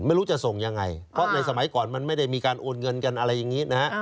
ไม่รู้จะส่งยังไงเพราะในสมัยก่อนมันไม่ได้มีการโอนเงินกันอะไรอย่างนี้นะฮะ